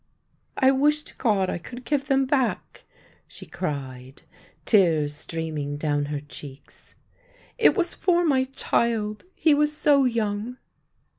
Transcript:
" I wish to God I could give them back !" she cried, tears streaming down her cheeks. " It was for my child ; he was so young."